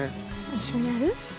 一緒にやる？